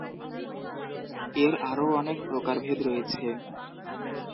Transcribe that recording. এর আরও অনেক প্রকারভেদ রয়েছে।